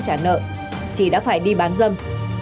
chả nợ chỉ đã phải đi bán dâm